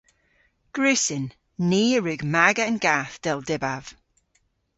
Gwrussyn. Ni a wrug maga an gath, dell dybav.